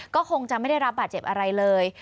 ก็คงจะไม่ได้รับบาดเจ็บอะไรเลย